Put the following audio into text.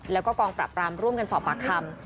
แล้วก็กองปรับปรามร่วมกันสอบปากคำ